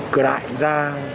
cửa đại ra